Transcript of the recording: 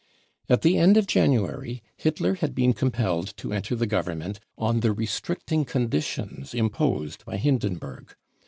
At jthe end of January Hitler had been compelled to enter the Government on the restricting conditions im posed by Hindenburg.